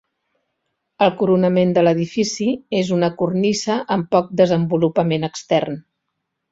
El coronament de l'edifici és una cornisa amb poc desenvolupament extern.